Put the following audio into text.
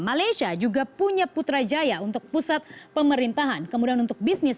malaysia juga punya putrajaya untuk pusat pemerintahan kemudian untuk bisnis